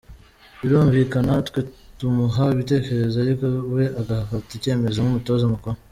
Birumvikana twe tumuha ibitekerezo ariko we agafata icyemezo nk’umutoza mukuru.